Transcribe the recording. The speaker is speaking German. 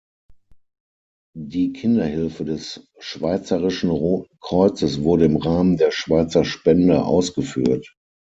Die Kinderhilfe des Schweizerischen Roten Kreuzes wurde im Rahmen der "Schweizer Spende" ausgeführt.